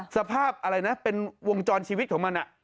สภาพเป็นวงจรชีวิตของมัน